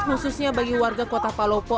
khususnya bagi warga kota palopo